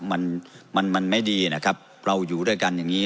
มันมันไม่ดีนะครับเราอยู่ด้วยกันอย่างนี้